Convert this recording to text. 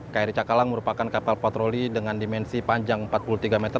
kri cakalang merupakan kapal patroli dengan dimensi panjang empat puluh tiga meter